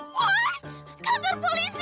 what kantor polisi